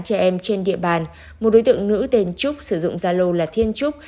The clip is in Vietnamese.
các đối tượng sử dụng gia lô là thiên trúc